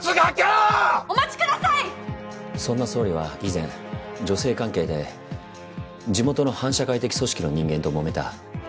そんな総理は以前女性関係で地元の反社会的組織の人間ともめた。